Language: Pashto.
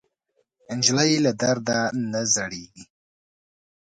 نجلۍ له درد نه زړېږي.